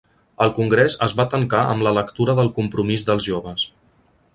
El congrés es va tancar amb la lectura del compromís dels joves.